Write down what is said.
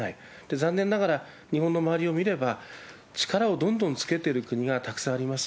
残念ながら、日本の周りを見れば、力をどんどんつけてる国がたくさんあります。